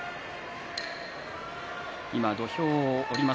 今、土俵を下ります